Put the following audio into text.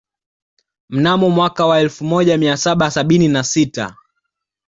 Mnamo mwaka wa elfu moja mia saba sabini na sita